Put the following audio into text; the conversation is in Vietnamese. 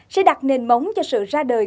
sẽ đặt nền móng cho sự ra đời